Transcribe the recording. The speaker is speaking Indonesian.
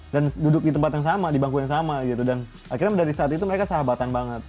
dan duduk di tempat yang sama di bangku yang sama gitu dan akhirnya dari saat itu mereka sahabatan banget